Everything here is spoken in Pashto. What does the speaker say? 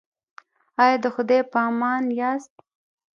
ایا د خدای په امان یاست؟